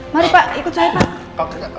mari pak ikut saya pak